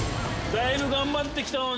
だいぶ頑張ってきたのに。